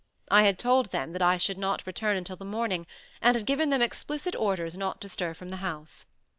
I had told them that I should not return until the morning, and had given them explicit orders not to stir from the house.